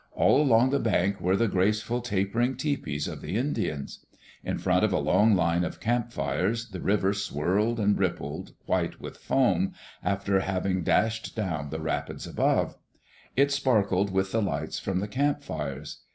All along the bank were the graceful, taper ing tepees of the Indians. In front of a long line of camp fires the river swirled and rippled, white with foam, after having dashed down die rapids above. It sparkled with the lights from the campfires.